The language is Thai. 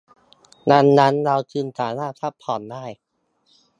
ดังนั้นเราจึงสามารถพักผ่อนได้